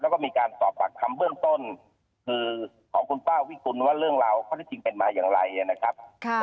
แล้วก็มีการสอบปากคำเบื้องต้นคือของคุณป้าวิกุลว่าเรื่องราวข้อที่จริงเป็นมาอย่างไรนะครับ